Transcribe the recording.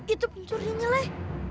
itu pencuriannya lah